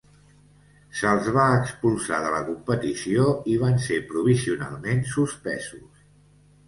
Se'ls va expulsar de la competició i van ser provisionalment suspesos.